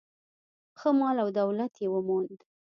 ښه مال او دولت یې وموند.